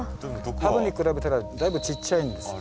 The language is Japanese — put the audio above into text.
ハブに比べたらだいぶちっちゃいんです。